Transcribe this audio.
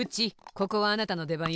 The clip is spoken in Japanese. ここはあなたのでばんよ。